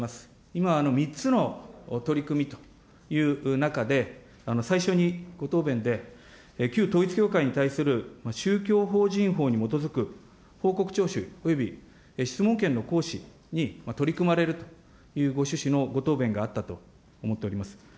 今、３つの取り組みという中で、最初にご答弁で、旧統一教会に対する宗教法人法に基づく報告徴収および質問権の行使に取り組まれるというご趣旨のご答弁があったと思っております。